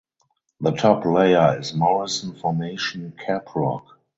The top layer is Morrison Formation caprock.